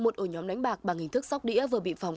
một ổ nhóm đánh bạc bằng hình thức sóc đĩa vừa bị phòng